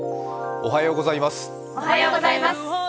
おはようございます。